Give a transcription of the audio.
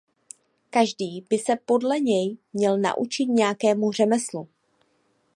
Každý by se podle něj měl naučit nějakému řemeslu.